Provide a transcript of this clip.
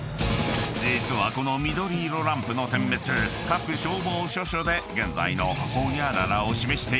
［実はこの緑色ランプの点滅各消防署所で現在のホニャララを示しているのだが］